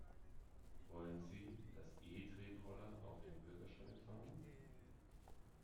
Wollen Sie, dass E-Tretroller auf dem Bürgersteig fahren?